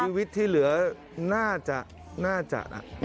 ชีวิตที่เหลือน่าจะน่าจะ